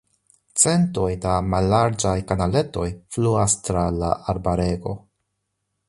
Centoj da mallarĝaj kanaletoj fluas tra la arbarego.